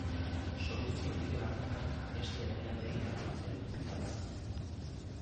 Soluzio bide bakarra beste herrialdeei lapurtzeari uztea da.